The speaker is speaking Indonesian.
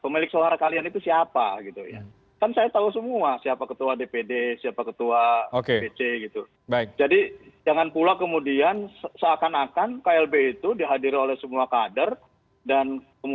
merebut elit elit kunci apakah itu kemudian menjadi fokus juga di kepala muldoko